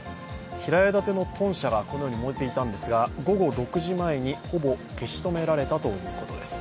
平屋建ての豚舎がこのように燃えていたんですが、午後６時前にほぼ消し止められたということです。